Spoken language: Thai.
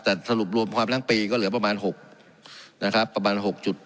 แต่สรุปรวมความทั้งปีก็เหลือประมาณ๖นะครับประมาณ๖๗